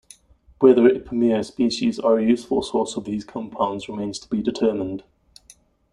Whether "Ipomoea" species are a useful source of these compounds remains to be determined.